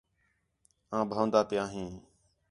آں بھن٘ؤاندا پیاں ہیں